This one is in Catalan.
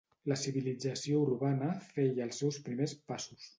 La civilització urbana feia els seus primers passos.